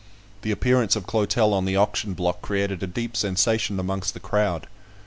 The appearance of Clotel on the auction block created a deep sensation amongst the crowd.